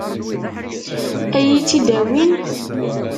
Ad iyi-tt-id-awin?